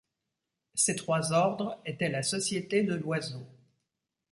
Ces trois ordres étaient la société de Loyseau.